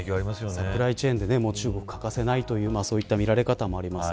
サプライチェーンで中国が欠かせないという見られ方もあります。